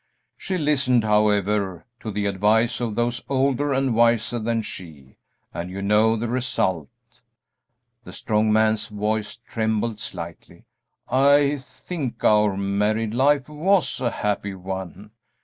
She listened, however, to the advice of those older and wiser than she, and you know the result." The strong man's voice trembled slightly. "I think our married life was a happy one.